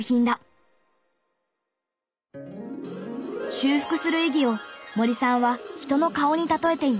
修復する意義を森さんは人の顔に例えています。